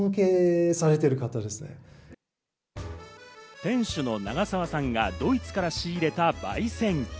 店主の長澤さんがドイツから仕入れた焙煎機。